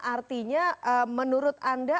artinya menurut anda